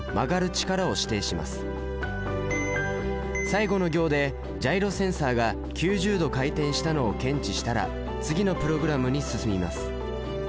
最後の行でジャイロセンサが９０度回転したのを検知したら次のプログラムに進みます。